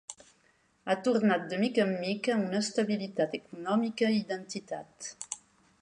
Ha tornat de mica en mica a una estabilitat econòmica i d'entitat.